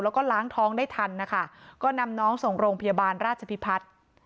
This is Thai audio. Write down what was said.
และล้างท้องได้ทันก็นำน้องส่งโรงพยาบาลราชพิพัธิ